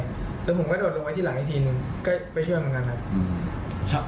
และผมก็โดดลงไปที่หลางทีนึงก็ไปช่วยเหมือนกัน